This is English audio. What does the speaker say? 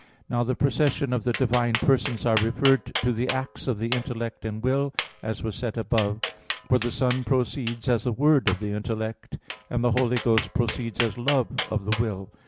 Now the processions of the divine Persons are referred to the acts of intellect and will, as was said above (Q. 27). For the Son proceeds as the word of the intellect; and the Holy Ghost proceeds as love of the will.